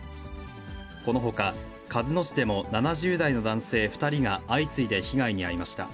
このほか鹿角市でも７０代の男性２人が相次いで被害に遭いました。